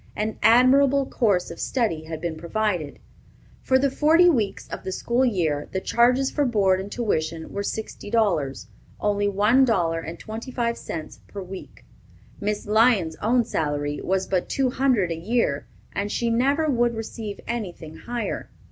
An admirable course of study had been provided. For the forty weeks of the school year, the charges for board and tuition were sixty dollars, only one dollar and twenty five cents per week. Miss Lyon's own salary was but two hundred a year and she never would receive anything higher.